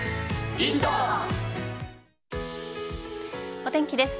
お天気です。